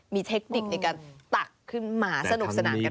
มีเทคนิคในการตักขึ้นมาสนุกสนานกัน